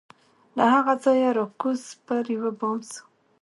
له هغه ځایه را کوز پر یوه بام سو